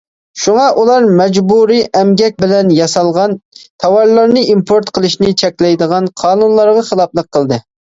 شۇڭا، ئۇلار مەجبۇرىي ئەمگەك بىلەن ياسالغان تاۋارلارنى ئىمپورت قىلىشنى چەكلەيدىغان قانۇنلارغا خىلاپلىق قىلدى.